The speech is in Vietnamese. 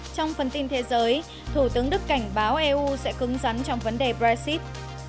trong phần tin thế giới thủ tướng đức cảnh báo eu sẽ cứng rắn trong vấn đề brexit